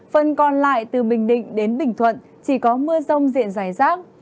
phần còn lại từ bình định đến bình thuận chỉ có mưa rông diện dài rác